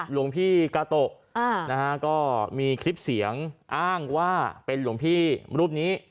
หลวงพี่กาโตะนะฮะก็มีคลิปเสียงอ้างว่าเป็นหลวงพี่รูปนี้